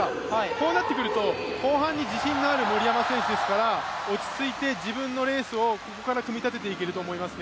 こうなってくると、後半に自信がある森山選手ですから落ち着いて、自分のレースをここから組み立てていけると思います。